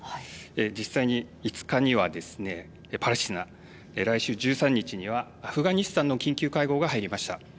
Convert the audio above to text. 実際に５日にはですねパレスチナ、来週１３日にはアフガニスタンの緊急会合が入りました。